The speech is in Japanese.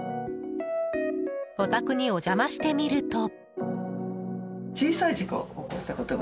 お宅にお邪魔してみると。